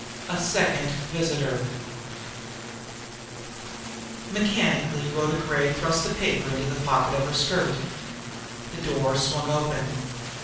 A SECOND VISITOR Mechanically Rhoda Gray thrust the paper into the pocket of her skirt. The door swung open.